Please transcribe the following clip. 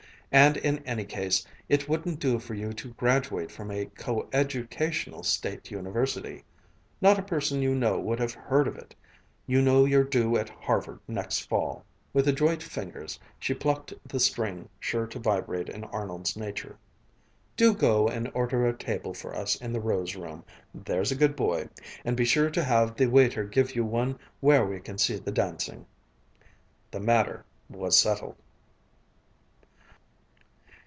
And in any case, it wouldn't do for you to graduate from a co educational State University. Not a person you know would have heard of it. You know you're due at Harvard next fall." With adroit fingers, she plucked the string sure to vibrate in Arnold's nature. "Do go and order a table for us in the Rose Room, there's a good boy. And be sure to have the waiter give you one where we can see the dancing." The matter was settled.